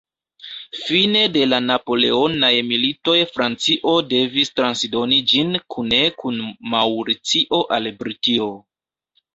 Fine de la Napoleonaj militoj Francio devis transdoni ĝin kune kun Maŭricio al Britio.